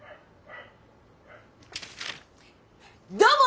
「どうも！